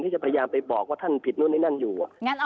จะพยายามไปบอกว่าท่านผิดนู่นนี่นั่นอยู่